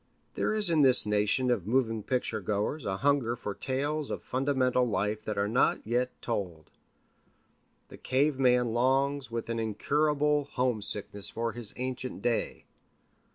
There is in this nation of moving picture goers a hunger for tales of fundamental life that are not yet told. The cave man longs with an incurable homesickness for his ancient day.